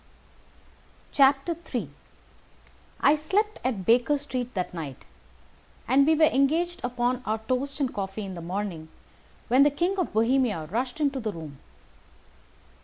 III I slept at Baker Street that night, and we were engaged upon our toast and coffee in the morning, when the King of Bohemia rushed into the room.